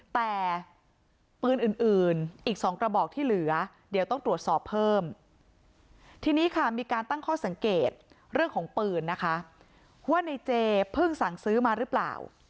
แต่ปืนอื่นอีก๒กระบอกที่เหลือเดี๋ยวต้องตรวจสอบเพิ่มทีนี้ค่ะมีการตั้งข้อสังเกตเรื่องของปืนนะคะว่าในเจเพิ่งสั่งซื้อมาหรือเปล่า